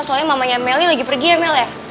soalnya mamanya amelie lagi pergi ya amel ya